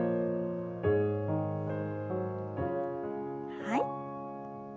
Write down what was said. はい。